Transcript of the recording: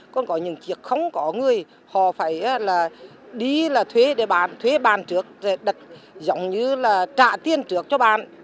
còn có những chiếc không có người họ phải đi là thuế để bán thuế bán trước giống như là trả tiền trước cho bán